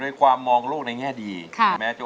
แก้มขอมาสู้เพื่อกล่องเสียงให้กับคุณพ่อใหม่นะครับ